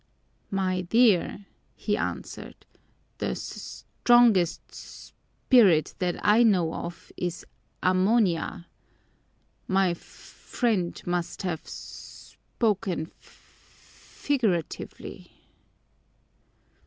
"My dear," he answered, "the s strongest s spirit that I know of is ammonia. My f friend must have s spoken f figuratively."